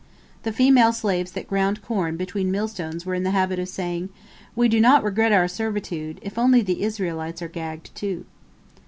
The female slaves that ground corn between mill stones were in the habit of saying, "We do not regret our servitude, if only the Israelites are gagged, too.